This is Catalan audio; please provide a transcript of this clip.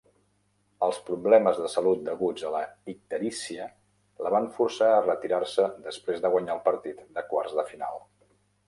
Els problemes de salut deguts a la icterícia la van forçar a retirar-se després de guanyar el partit de quarts de final.